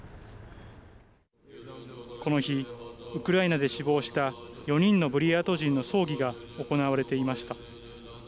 この日、ウクライナで死亡した４人のブリヤート人の葬儀が行われていました。